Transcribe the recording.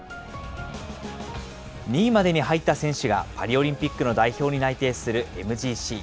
２位までに入った選手がパリオリンピックの代表に内定するＭＧＣ。